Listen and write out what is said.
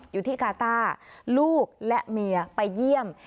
อยู่ที่กาต้าลูกและเมียไปเยี่ยม